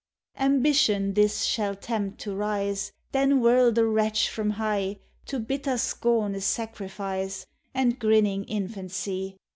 Ambition this shall tempt to rise, Then whirl the wretch from high, To bitter scorn a sacrifice, And grinning infancy; YOUTH.